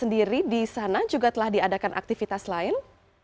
sendiri di sana juga telah diadakan aktivitas lain